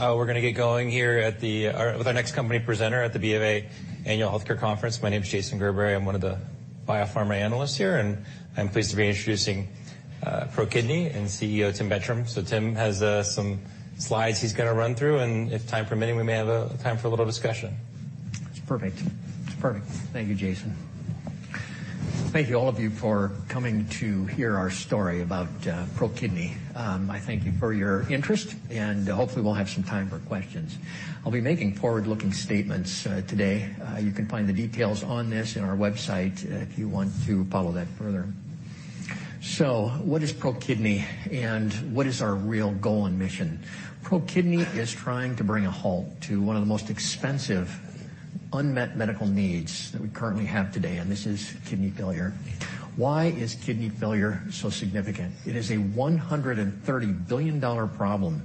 We're gonna get going here with our next company presenter at the BofA annual healthcare conference. My name's Jason Gerberry. I'm one of the biopharma analysts here, and I'm pleased to be introducing ProKidney and CEO Tim Bertram. Tim has some slides he's gonna run through, and if time permitting, we may have time for a little discussion. That's perfect. That's perfect. Thank you, Jason. Thank you, all of you, for coming to hear our story about ProKidney. I thank you for your interest, hopefully we'll have some time for questions. I'll be making forward-looking statements today. You can find the details on this in our website if you want to follow that further. What is ProKidney, what is our real goal and mission? ProKidney is trying to bring a halt to one of the most expensive unmet medical needs that we currently have today, this is kidney failure. Why is kidney failure so significant? It is a $130 billion problem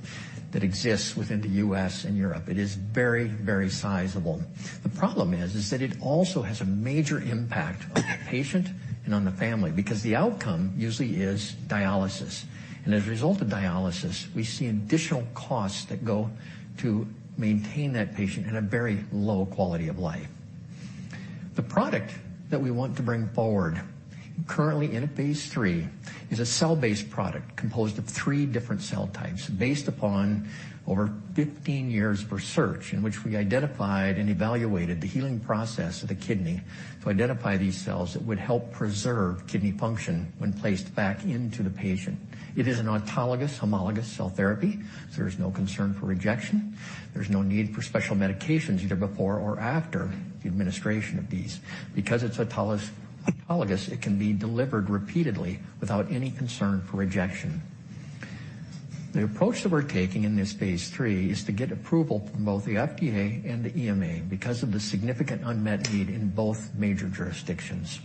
that exists within the U.S. and Europe. It is very sizable. The problem is that it also has a major impact on the patient and on the family because the outcome usually is dialysis. As a result of dialysis, we see additional costs that go to maintain that patient at a very low quality of life. The product that we want to bring forward, currently in a phase III, is a cell-based product composed of 3 different cell types based upon over 15 years of research in which we identified and evaluated the healing process of the kidney to identify these cells that would help preserve kidney function when placed back into the patient. It is an autologous homologous cell therapy, so there's no concern for rejection. There's no need for special medications either before or after the administration of these. Because it'autologous, it can be delivered repeatedly without any concern for rejection. The approach that we're taking in this phase III is to get approval from both the FDA and the EMA because of the significant unmet need in both major jurisdictions.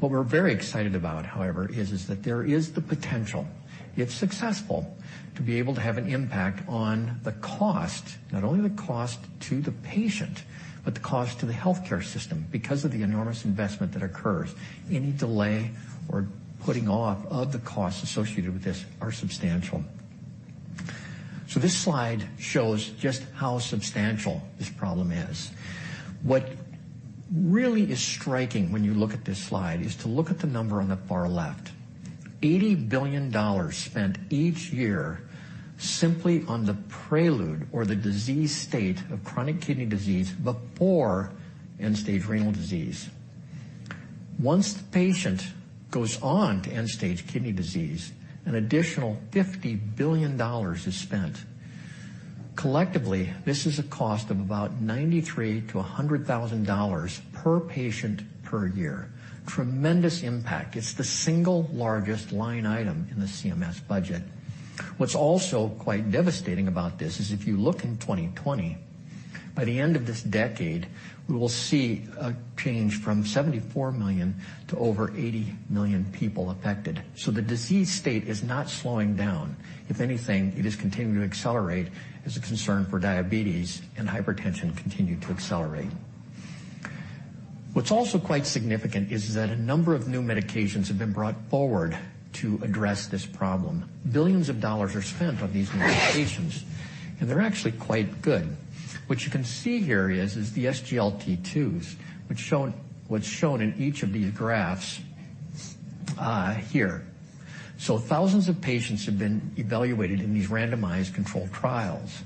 What we're very excited about, however, is that there is the potential, if successful, to be able to have an impact on the cost, not only the cost to the patient, but the cost to the healthcare system because of the enormous investment that occurs. Any delay or putting off of the costs associated with this are substantial. This slide shows just how substantial this problem is. What really is striking when you look at this slide is to look at the number on the far left. $80 billion spent each year simply on the prelude or the disease state of chronic kidney disease before end-stage renal disease. Once the patient goes on to end-stage renal disease, an additional $50 billion is spent. Collectively, this is a cost of about $93,000-$100,000 per patient per year. Tremendous impact. It's the single largest line item in the CMS budget. What's also quite devastating about this is if you look in 2020, by the end of this decade, we will see a change from 74 million to over 80 million people affected. The disease state is not slowing down. If anything, it is continuing to accelerate as a concern for diabetes and hypertension continue to accelerate. What's also quite significant is that a number of new medications have been brought forward to address this problem. Billions of dollars are spent on these medications, and they're actually quite good. What you can see here is the SGLT2s, what's shown in each of these graphs, here. Thousands of patients have been evaluated in these randomized controlled trials.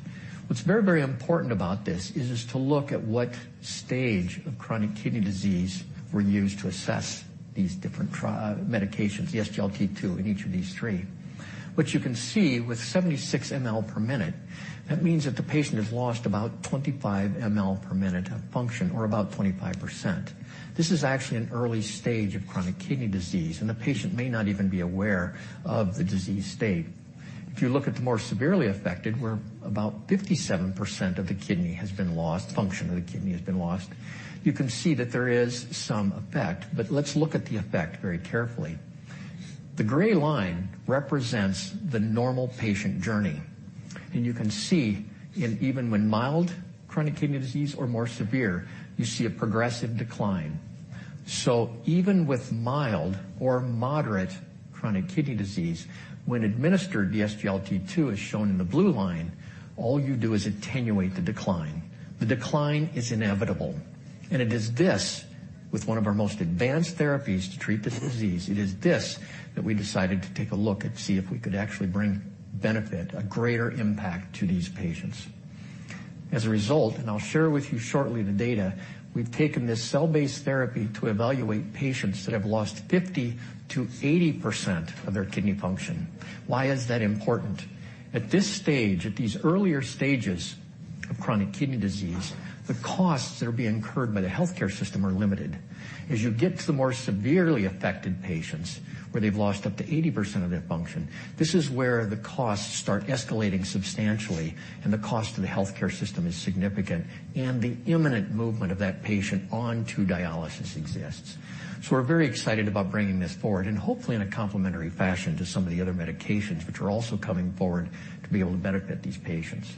What's very, very important about this is to look at what stage of chronic kidney disease were used to assess these different medications, the SGLT2 in each of these three, which you can see with 76 mL per minute, that means that the patient has lost about 25 mL per minute of function or about 25%. This is actually an early stage of chronic kidney disease, and the patient may not even be aware of the disease state. If you look at the more severely affected, where about 57% of the kidney has been lost, function of the kidney has been lost, you can see that there is some effect. Let's look at the effect very carefully. The gray line represents the normal patient journey. You can see in even when mild chronic kidney disease or more severe, you see a progressive decline. Even with mild or moderate chronic kidney disease, when administered, the SGLT2, as shown in the blue line, all you do is attenuate the decline. The decline is inevitable. It is this with one of our most advanced therapies to treat this disease, it is this that we decided to take a look and see if we could actually bring benefit, a greater impact to these patients. I'll share with you shortly the data, we've taken this cell-based therapy to evaluate patients that have lost 50%-80% of their kidney function. Why is that important? At this stage, at these earlier stages of chronic kidney disease, the costs that are being incurred by the healthcare system are limited. You get to the more severely affected patients, where they've lost up to 80% of their function, this is where the costs start escalating substantially, and the cost to the healthcare system is significant, and the imminent movement of that patient onto dialysis exists. We're very excited about bringing this forward and hopefully in a complementary fashion to some of the other medications which are also coming forward to be able to benefit these patients.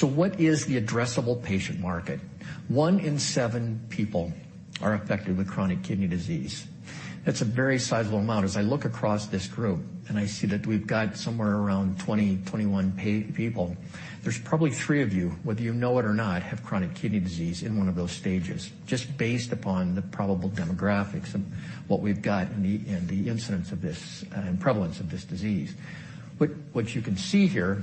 What is the addressable patient market? 1 in 7 people are affected with chronic kidney disease. That's a very sizable amount. As I look across this group, I see that we've got somewhere around 20, 21 people, there's probably three of you, whether you know it or not, have chronic kidney disease in one of those stages, just based upon the probable demographics of what we've got and the incidence of this and prevalence of this disease. What you can see here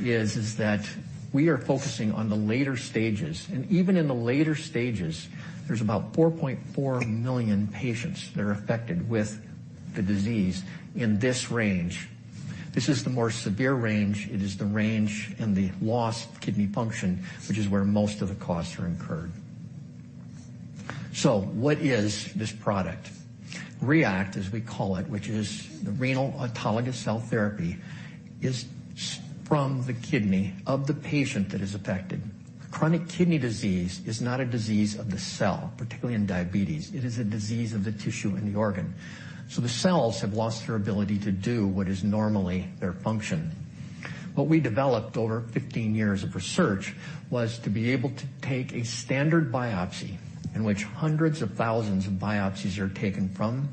is that we are focusing on the later stages, and even in the later stages, there's about 4.4 million patients that are affected with the disease in this range. This is the more severe range. It is the range in the loss of kidney function, which is where most of the costs are incurred. What is this product? REACT, as we call it, which is the Renal Autologous Cell Therapy, is from the kidney of the patient that is affected. Chronic kidney disease is not a disease of the cell, particularly in diabetes. It is a disease of the tissue and the organ. The cells have lost their ability to do what is normally their function. What we developed over 15 years of research was to be able to take a standard biopsy in which hundreds of thousands of biopsies are taken from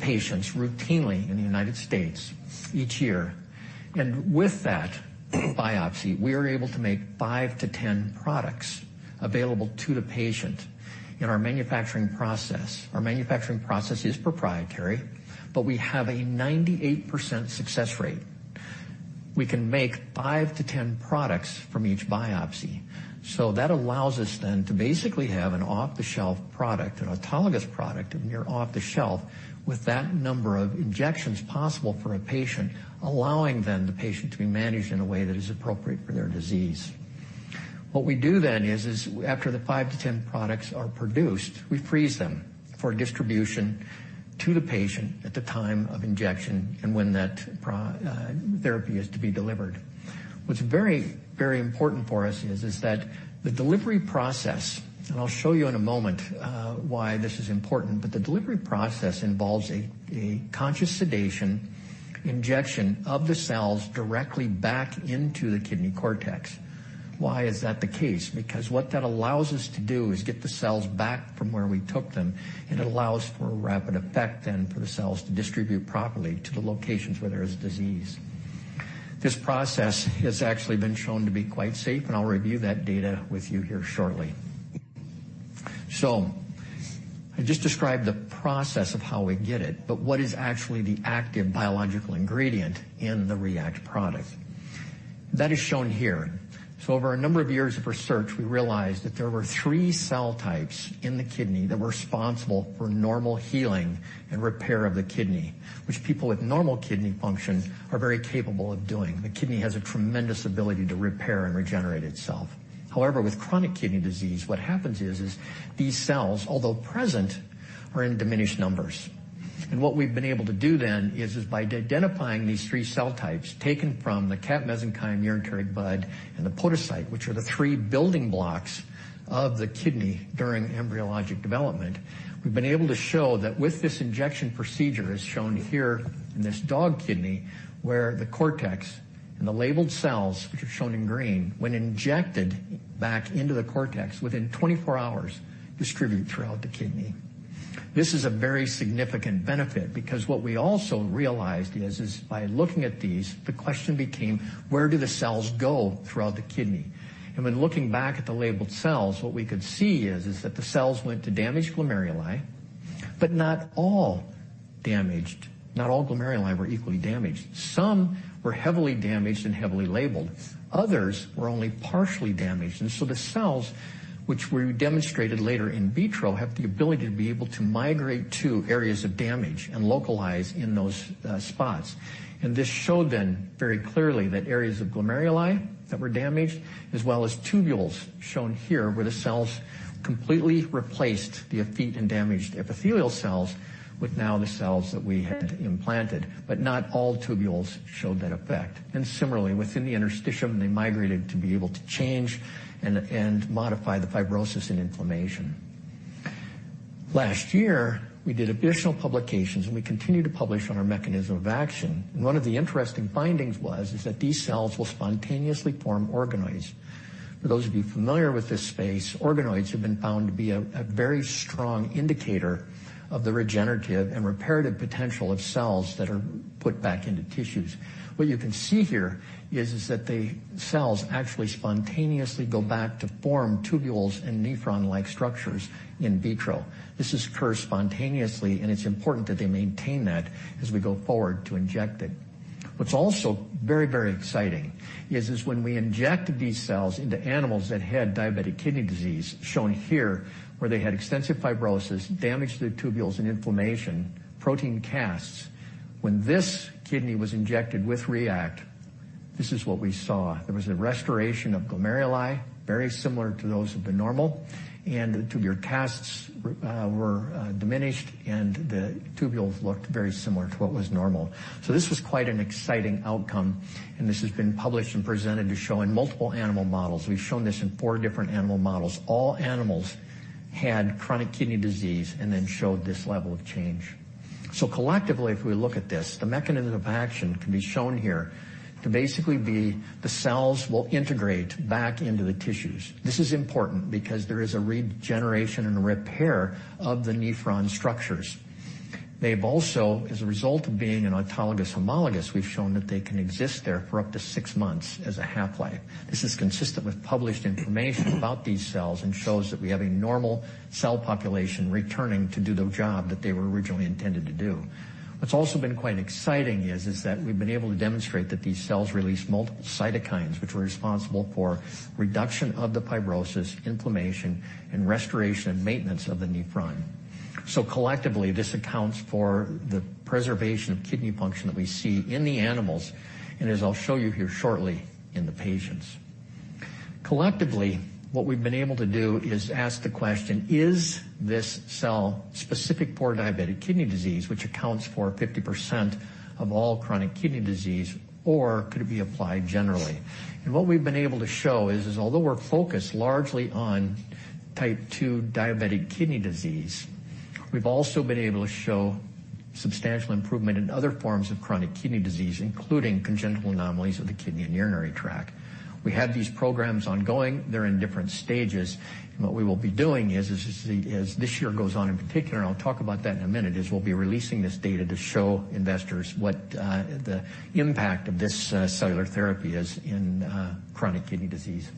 patients routinely in the United States each year. With that biopsy, we are able to make five to 10 products available to the patient in our manufacturing process. Our manufacturing process is proprietary, but we have a 98% success rate. We can make five to 10 products from each biopsy. That allows us then to basically have an off-the-shelf product, an autologous product, a near off-the-shelf, with that number of injections possible for a patient, allowing then the patient to be managed in a way that is appropriate for their disease. What we do then is after the 5 to 10 products are produced, we freeze them for distribution to the patient at the time of injection and when that therapy is to be delivered. What's very important for us is that the delivery process, and I'll show you in a moment, why this is important, but the delivery process involves a conscious sedation injection of the cells directly back into the kidney cortex. Why is that the case? What that allows us to do is get the cells back from where we took them, and it allows for a rapid effect then for the cells to distribute properly to the locations where there is disease. This process has actually been shown to be quite safe, and I'll review that data with you here shortly. I just described the process of how we get it, but what is actually the active biological ingredient in the REACT product? That is shown here. Over a number of years of research, we realized that there were three cell types in the kidney that were responsible for normal healing and repair of the kidney, which people with normal kidney function are very capable of doing. The kidney has a tremendous ability to repair and regenerate itself. However, with chronic kidney disease, what happens is these cells, although present, are in diminished numbers. What we've been able to do then is by identifying these 3 cell types taken from the cap mesenchyme, ureteric bud, and the podocyte, which are the 3 building blocks of the kidney during embryologic development, we've been able to show that with this injection procedure, as shown here in this dog kidney, where the cortex and the labeled cells, which are shown in green, when injected back into the cortex within 24 hours, distribute throughout the kidney. This is a very significant benefit because what we also realized is by looking at these, the question became, where do the cells go throughout the kidney? When looking back at the labeled cells, what we could see is that the cells went to damaged glomeruli, but not all damaged. Not all glomeruli were equally damaged. Some were heavily damaged and heavily labeled. Others were only partially damaged. The cells, which we demonstrated later in vitro, have the ability to be able to migrate to areas of damage and localize in those spots. This showed then very clearly that areas of glomeruli that were damaged, as well as tubules shown here, where the cells completely replaced the effete and damaged epithelial cells with now the cells that we had implanted, not all tubules showed that effect. Similarly, within the interstitium, they migrated to be able to change and modify the fibrosis and inflammation. Last year, we did additional publications, and we continue to publish on our mechanism of action. One of the interesting findings was, is that these cells will spontaneously form organoids. For those of you familiar with this space, organoids have been found to be a very strong indicator of the regenerative and reparative potential of cells that are put back into tissues. What you can see here is that the cells actually spontaneously go back to form tubules and nephron-like structures in vitro. This occurs spontaneously, it's important that they maintain that as we go forward to inject it. What's also very exciting is when we injected these cells into animals that had diabetic kidney disease, shown here, where they had extensive fibrosis, damage to the tubules and inflammation, protein casts. This kidney was injected with REACT, this is what we saw. There was a restoration of glomeruli, very similar to those of the normal, the tubular casts were diminished, the tubules looked very similar to what was normal. This was quite an exciting outcome, and this has been published and presented to show in multiple animal models. We've shown this in 4 different animal models. All animals had chronic kidney disease and then showed this level of change. Collectively, if we look at this, the mechanism of action can be shown here to basically be the cells will integrate back into the tissues. This is important because there is a regeneration and repair of the nephron structures. They've also, as a result of being an autologous homologous, we've shown that they can exist there for up to 6 months as a half-life. This is consistent with published information about these cells and shows that we have a normal cell population returning to do the job that they were originally intended to do. What's also been quite exciting is that we've been able to demonstrate that these cells release multiple cytokines, which are responsible for reduction of the fibrosis, inflammation, and restoration and maintenance of the nephron. Collectively, this accounts for the preservation of kidney function that we see in the animals, and as I'll show you here shortly, in the patients. Collectively, what we've been able to do is ask the question, is this cell specific for diabetic kidney disease, which accounts for 50% of all chronic kidney disease, or could it be applied generally? What we've been able to show is although we're focused largely on type 2 diabetic kidney disease, we've also been able to show substantial improvement in other forms of chronic kidney disease, including congenital anomalies of the kidney and urinary tract. We have these programs ongoing. They're in different stages. What we will be doing is as this year goes on, in particular, I'll talk about that in a minute, is we'll be releasing this data to show investors what the impact of this cellular therapy is in chronic kidney disease.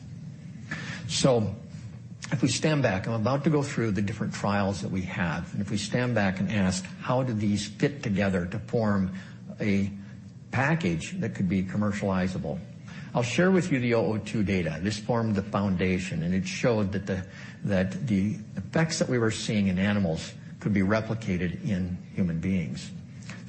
If we stand back, I'm about to go through the different trials that we have, and if we stand back and ask how do these fit together to form a package that could be commercializable. I'll share with you the 002 data. This formed the foundation, and it showed that the effects that we were seeing in animals could be replicated in human beings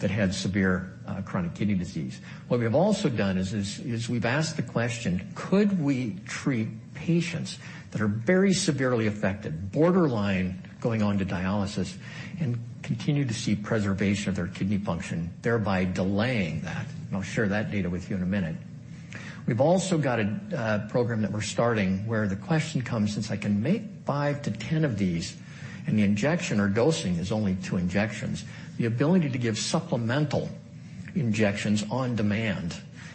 that had severe chronic kidney disease. What we have also done is we've asked the question, could we treat patients that are very severely affected, borderline going on to dialysis, and continue to see preservation of their kidney function, thereby delaying that? I'll share that data with you in a minute. We've also got a program that we're starting where the question comes, since I can make 5-10 of these and the injection or dosing is only two injections, the ability to give supplemental injections on demand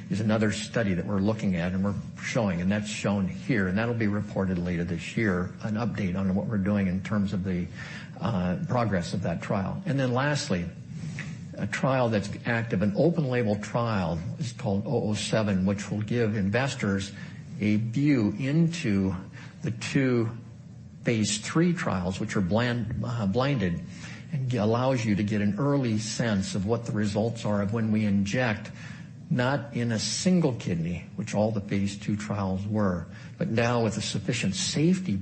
is another study that we're looking at and we're showing, and that's shown here, and that'll be reported later this year, an update on what we're doing in terms of the progress of that trial. Lastly, a trial that's active, an open-label trial is called 007, which will give investors a view into the 2 phase III trials, which are blinded, and allows you to get an early sense of what the results are of when we inject, not in a single kidney, which all the phase II trials were. Now with the sufficient safety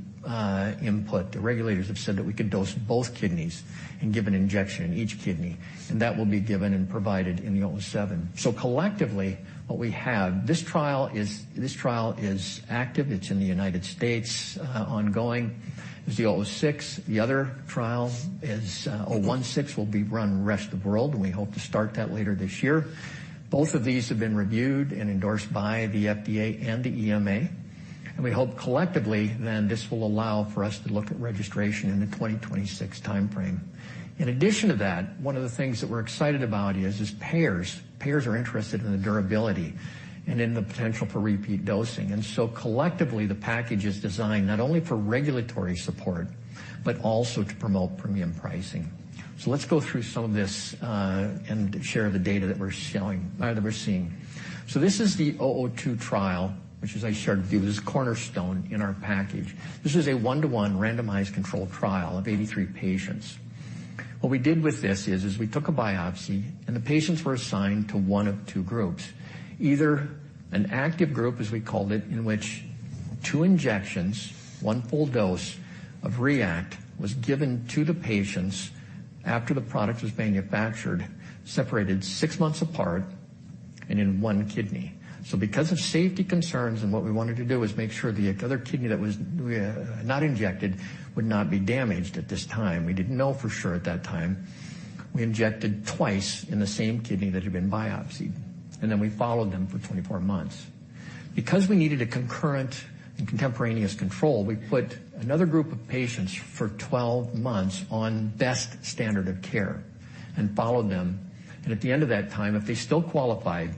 input, the regulators have said that we could dose both kidneys and give an injection in each kidney, and that will be given and provided in the 007. Collectively, this trial is active. It's in the United States, ongoing. There's the REGEN-006. The other trial is REGEN-016 will be run rest of world, and we hope to start that later this year. Both of these have been reviewed and endorsed by the FDA and the EMA, we hope collectively then this will allow for us to look at registration in the 2026 timeframe. In addition to that, one of the things that we're excited about is payers. Payers are interested in the durability and in the potential for repeat dosing. Collectively, the package is designed not only for regulatory support, but also to promote premium pricing. Let's go through some of this, and share the data that we're showing or that we're seeing. This is the 002 trial, which as I shared with you, is cornerstone in our package. This is a 1-to-1 randomized controlled trial of 83 patients. What we did with this is, we took a biopsy, and the patients were assigned to one of two groups, either an active group, as we called it, in which two injections, one full dose of REACT was given to the patients after the product was manufactured, separated six months apart and in one kidney. Because of safety concerns, and what we wanted to do is make sure the other kidney that was not injected would not be damaged at this time. We didn't know for sure at that time. We injected twice in the same kidney that had been biopsied, and then we followed them for 24 months. Because we needed a concurrent and contemporaneous control, we put another group of patients for 12 months on best standard of care and followed them. At the end of that time, if they still qualified,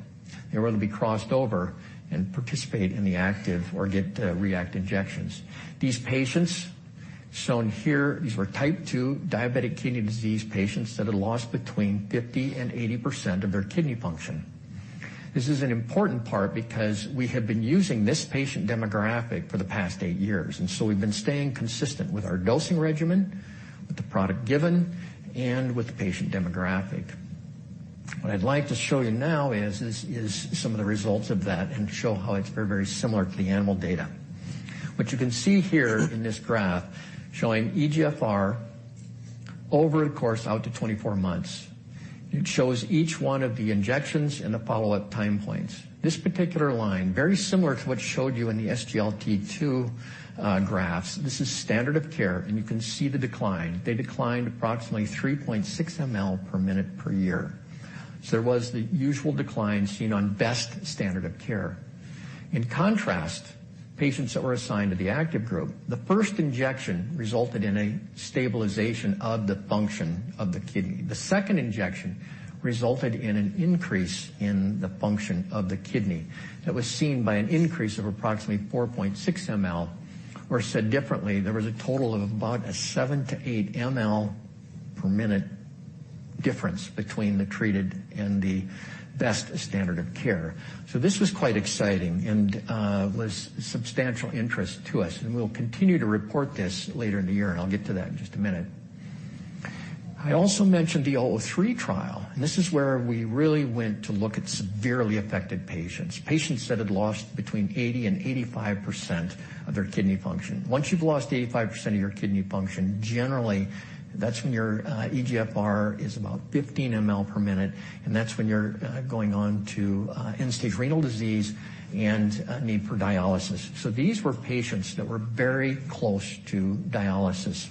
they were to be crossed over and participate in the active or get REACT injections. These patients shown here, these were type 2 diabetic kidney disease patients that had lost between 50% and 80% of their kidney function. This is an important part because we have been using this patient demographic for the past eight years, and so we've been staying consistent with our dosing regimen, with the product given, and with the patient demographic. What I'd like to show you now is some of the results of that and show how it's very, very similar to the animal data. What you can see here in this graph showing eGFR over a course out to 24 months. It shows each one of the injections and the follow-up time points. This particular line, very similar to what showed you in the SGLT2 graphs. This is standard of care, and you can see the decline. They declined approximately 3.6 mL per minute per year. So there was the usual decline seen on best standard of care. In contrast, patients that were assigned to the active group, the first injection resulted in a stabilization of the function of the kidney. The second injection resulted in an increase in the function of the kidney that was seen by an increase of approximately 4.6 mL. Or said differently, there was a total of about a 7-8 mL per minute difference between the treated and the best standard of care. This was quite exciting and was substantial interest to us. We'll continue to report this later in the year, and I'll get to that in just a minute. I also mentioned the 003 trial, and this is where we really went to look at severely affected patients that had lost between 80% and 85% of their kidney function. Once you've lost 85% of your kidney function, generally, that's when your eGFR is about 15 mL per minute, and that's when you're going on to end-stage renal disease and a need for dialysis. These were patients that were very close to dialysis.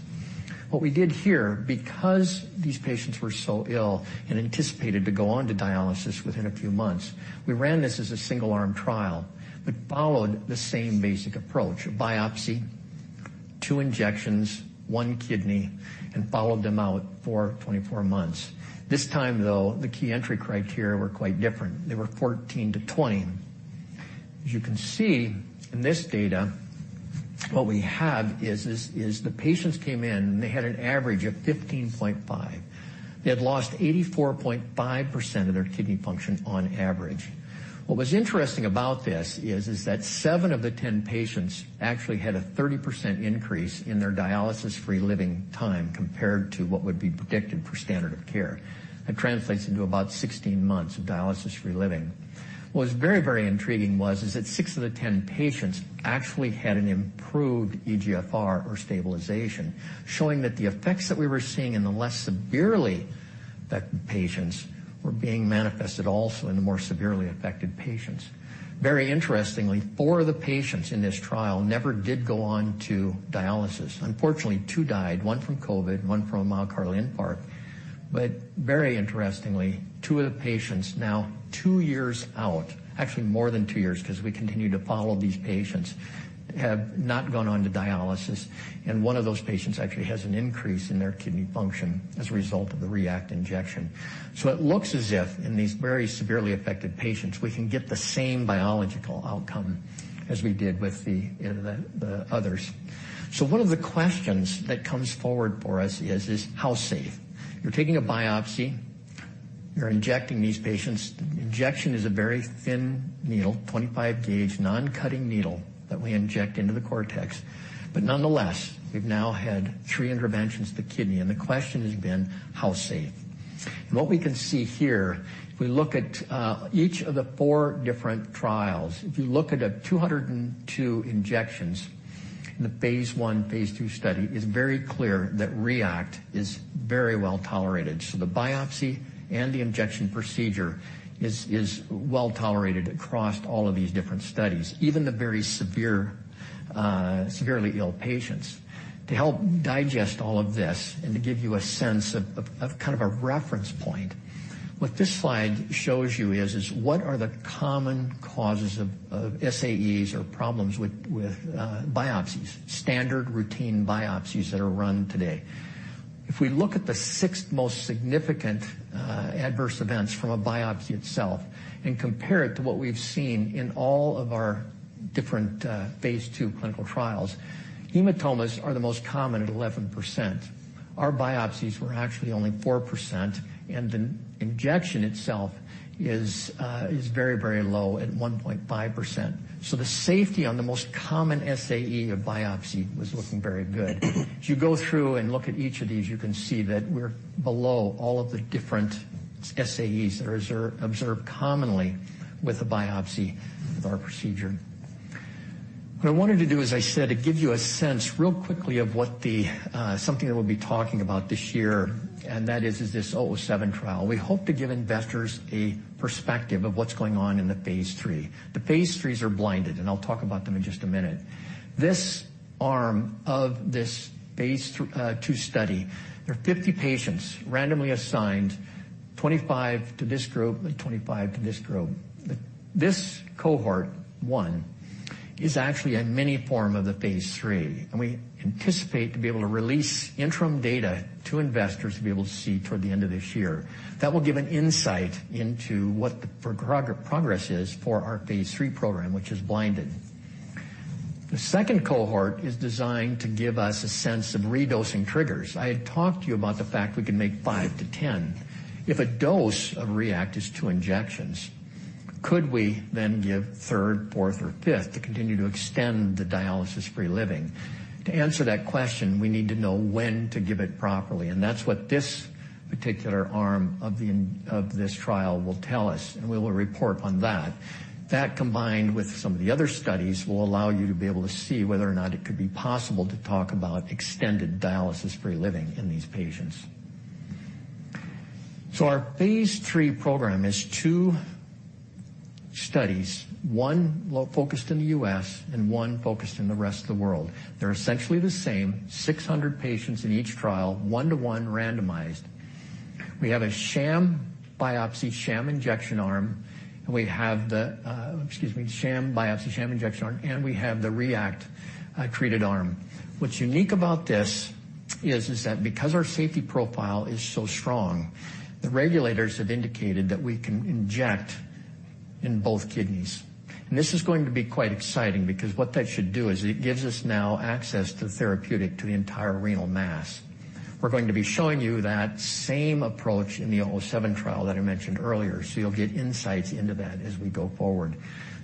What we did here, because these patients were so ill and anticipated to go on to dialysis within a few months, we ran this as a single-arm trial, but followed the same basic approach: a biopsy, 2 injections, 1 kidney, and followed them out for 24 months. This time, though, the key entry criteria were quite different. They were 14-20. As you can see in this data, what we have is the patients came in, and they had an average of 15.5. They had lost 84.5% of their kidney function on average. What was interesting about this is that 7 of the 10 patients actually had a 30% increase in their dialysis-free living time compared to what would be predicted for standard of care. That translates into about 16 months of dialysis-free living. What was very, very intriguing was is that 6 of the 10 patients actually had an improved eGFR or stabilization, showing that the effects that we were seeing in the less severely affected patients were being manifested also in the more severely affected patients. Very interestingly, four of the patients in this trial never did go on to dialysis. Unfortunately, two died, one from COVID, one from a myocardial infarct. Very interestingly, two of the patients now two years out, actually more than two years because we continue to follow these patients, have not gone on to dialysis, and one of those patients actually has an increase in their kidney function as a result of the REACT injection. It looks as if in these very severely affected patients, we can get the same biological outcome as we did with the others. One of the questions that comes forward for us is how safe? You're taking a biopsy. You're injecting these patients. The injection is a very thin needle, 25 gauge, non-cutting needle that we inject into the cortex. Nonetheless, we've now had three interventions to the kidney, and the question has been how safe? What we can see here, if we look at each of the four different trials, if you look at the 202 injections in the phase I, phase II study, it's very clear that REACT is very well-tolerated. The biopsy and the injection procedure is well-tolerated across all of these different studies, even the very severe, severely ill patients. To help digest all of this and to give you a sense of kind of a reference point, what this slide shows you is what are the common causes of SAEs or problems with biopsies, standard routine biopsies that are run today. If we look at the sixth most significant adverse events from a biopsy itself and compare it to what we've seen in all of our different phase II clinical trials, hematomas are the most common at 11%. Our biopsies were actually only 4%, and the injection itself is very, very low at 1.5%. The safety on the most common SAE of biopsy was looking very good. If you go through and look at each of these, you can see that we're below all of the different SAEs that are observed commonly with a biopsy with our procedure. What I wanted to do, as I said, to give you a sense real quickly of what the something that we'll be talking about this year, and that is this 007 trial. We hope to give investors a perspective of what's going on in the phase III. The phase IIIs are blinded, and I'll talk about them in just a minute. This arm of this phase II study, there are 50 patients randomly assigned, 25 to this group and 25 to this group. This cohort 1 is actually a mini form of the phase III, and we anticipate to be able to release interim data to investors to be able to see toward the end of this year. That will give an insight into what the progress is for our phase III program, which is blinded. The second cohort is designed to give us a sense of redosing triggers. I had talked to you about the fact we can make 5-10. If a dose of REACT is two injections, could we then give third, fourth, or fifth to continue to extend the dialysis-free living? To answer that question, we need to know when to give it properly, and that's what this particular arm of this trial will tell us, and we will report on that. That combined with some of the other studies will allow you to be able to see whether or not it could be possible to talk about extended dialysis-free living in these patients. our phase III program is two studies. One focused in the U.S. and one focused in the rest of the world. They're essentially the same, 600 patients in each trial, 1-to-1 randomized. We have a sham biopsy, sham injection arm, and we have the. Excuse me, sham biopsy, sham injection arm, and we have the REACT treated arm. What's unique about this is that because our safety profile is so strong, the regulators have indicated that we can inject in both kidneys. This is going to be quite exciting because what that should do is it gives us now access to therapeutic to the entire renal mass. We're going to be showing you that same approach in the 007 trial that I mentioned earlier. You'll get insights into that as we go forward.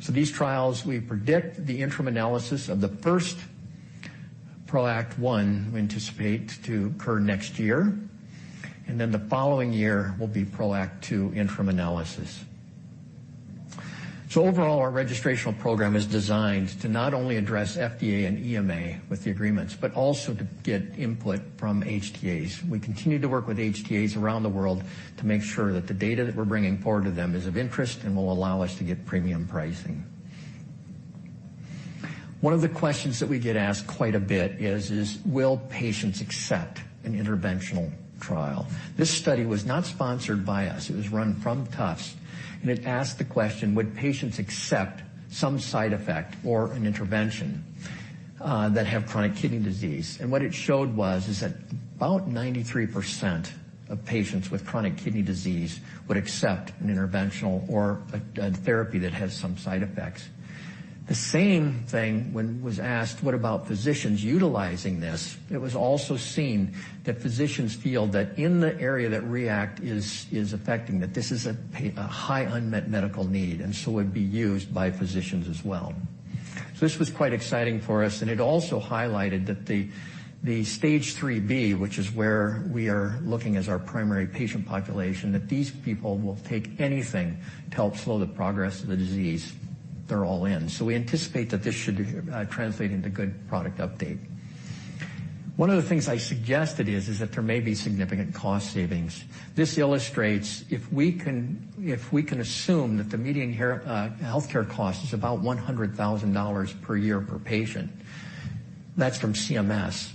These trials, we predict the interim analysis of the first PROACT 1, we anticipate to occur next year. The following year will be PROACT 2 interim analysis. Overall, our registrational program is designed to not only address FDA and EMA with the agreements, but also to get input from HTAs. We continue to work with HTAs around the world to make sure that the data that we're bringing forward to them is of interest and will allow us to get premium pricing. One of the questions that we get asked quite a bit is, will patients accept an interventional trial? This study was not sponsored by us. It was run from Tufts, and it asked the question, would patients accept some side effect or an intervention that have chronic kidney disease? What it showed was, is that about 93% of patients with chronic kidney disease would accept an interventional or a therapy that has some side effects. The same thing when was asked, what about physicians utilizing this? It was also seen that physicians feel that in the area that REACT is affecting, that this is a high unmet medical need, and so would be used by physicians as well. This was quite exciting for us, and it also highlighted that the Stage 3b, which is where we are looking as our primary patient population, that these people will take anything to help slow the progress of the disease. They're all in. We anticipate that this should translate into good product update. One of the things I suggested is that there may be significant cost savings. This illustrates if we can assume that the median here, healthcare cost is about $100,000 per year per patient. That's from CMS.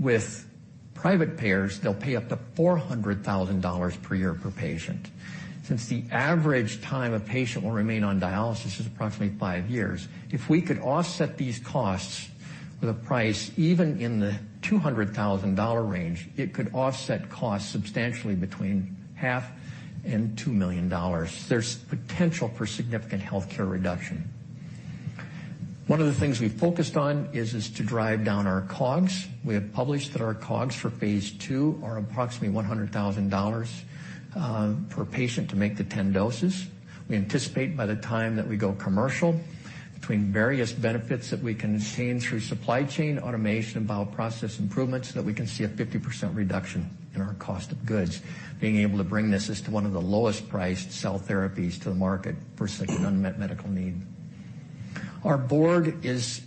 With private payers, they'll pay up to $400,000 per year per patient. The average time a patient will remain on dialysis is approximately five years, if we could offset these costs with a price even in the $200,000 range, it could offset costs substantially between half and $2 million. There's potential for significant healthcare reduction. One of the things we focused on is to drive down our COGS. We have published that our COGS for phase II are approximately $100,000 per patient to make the 10 doses. We anticipate by the time that we go commercial, between various benefits that we can attain through supply chain automation and bioprocess improvements, that we can see a 50% reduction in our cost of goods. Being able to bring this as to one of the lowest priced cell therapies to the market for such an unmet medical need. Our board is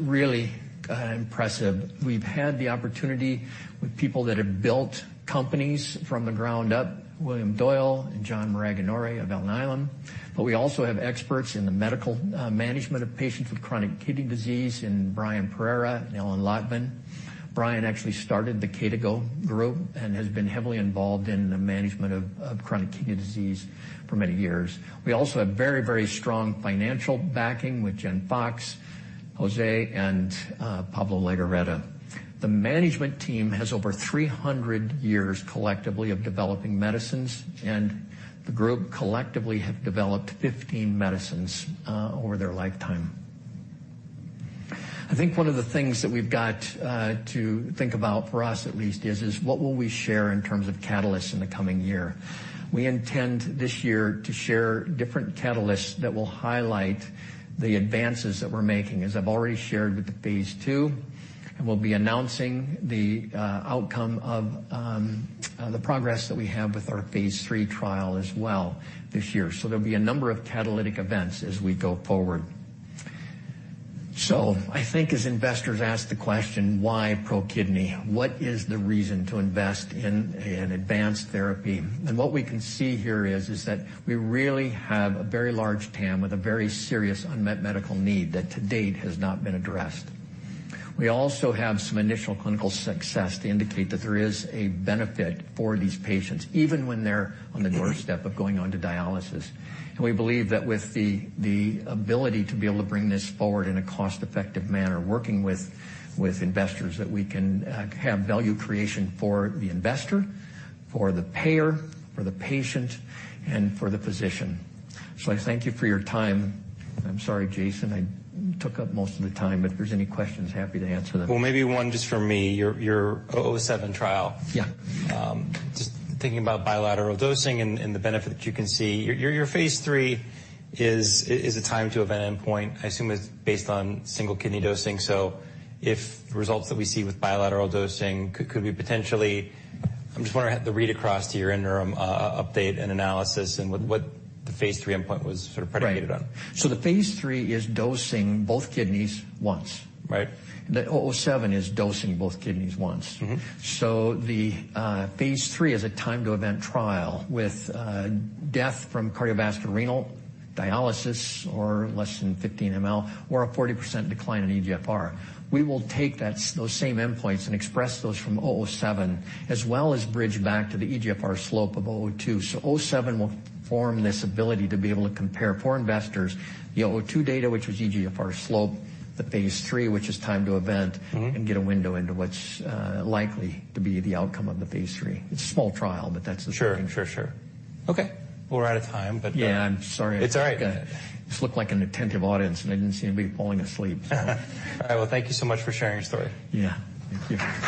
really impressive. We've had the opportunity with people that have built companies from the ground up, William Doyle and John Maraganore of Alnylam, but we also have experts in the medical management of patients with chronic kidney disease in Brian Pereira and Alan Lotvin. Brian actually started the KDIGO group and has been heavily involved in the management of chronic kidney disease for many years. We also have very strong financial backing with Jen Fox, Jorge and Pablo Legorreta. The management team has over 300 years collectively of developing medicines, and the group collectively have developed 15 medicines over their lifetime. I think one of the things that we've got to think about for us at least is what will we share in terms of catalysts in the coming year. We intend this year to share different catalysts that will highlight the advances that we're making. As I've already shared with the phase II, and we'll be announcing the outcome of the progress that we have with our phase III trial as well this year. There'll be a number of catalytic events as we go forward. I think as investors ask the question, why ProKidney? What is the reason to invest in an advanced therapy? What we can see here is that we really have a very large TAM with a very serious unmet medical need that to date has not been addressed. We also have some initial clinical success to indicate that there is a benefit for these patients, even when they're on the doorstep of going onto dialysis. We believe that with the ability to be able to bring this forward in a cost-effective manner, working with investors, that we can have value creation for the investor, for the payer, for the patient, and for the physician. I thank you for your time. I'm sorry, Jason, I took up most of the time, but if there's any questions, happy to answer them. Maybe one just from me. Your 007 trial. Yeah. Just thinking about bilateral dosing and the benefit that you can see. Your, your phase III is a time to event endpoint, I assume is based on single kidney dosing. If results that we see with bilateral dosing could be potentially... I'm just wondering the read across to your interim update and analysis and what the phase III endpoint was sort of predicated on? Right. The phase III is dosing both kidneys once. Right. The 007 is dosing both kidneys once. Mm-hmm. The phase III is a time to event trial with death from cardiovascular renal dialysis or less than 15 mL or a 40% decline in eGFR. We will take those same endpoints and express those from 007 as well as bridge back to the eGFR slope of 002. 007 will form this ability to be able to compare for investors the 002 data, which was eGFR slope, the phase III, which is time to event... Mm-hmm. get a window into what's likely to be the outcome of the phase III. It's a small trial, but that's the thing. Sure, for sure. Okay. We're out of time. Yeah, I'm sorry. It's all right. This looked like an attentive audience, and I didn't see anybody falling asleep, so. All right. Well, thank you so much for sharing your story. Yeah. Thank you.